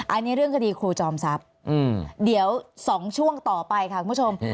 อันนี้เรื่องคดีครูจอมทรัพย์เดี๋ยว๒ช่วงต่อไปค่ะคุณผู้ชม